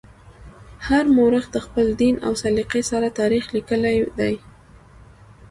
هر مورخ د خپل دین او سلیقې سره تاریخ لیکلی دی.